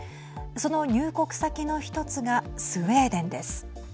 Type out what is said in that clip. その入国先の１つがスウェーデンです。